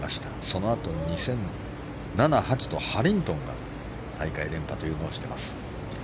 そのあと２００７、２００８とハリントンが大会連覇をしています。